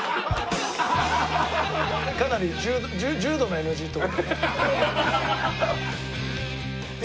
かなり重度のＮＧって事だね。